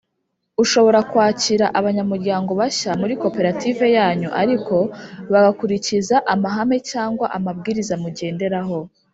Ushobora kwakira abanyamuryango bashya muri koperative yanyu ariko bagakurikiza amahame cyangwa amabwiriza mu genderaho